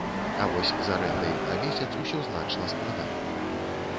А вось з арэндай на месяц усё значна складаней.